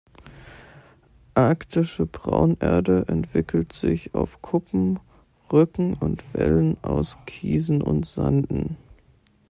Arktische Braunerde entwickelt sich auf Kuppen, Rücken und Wällen aus Kiesen und Sanden.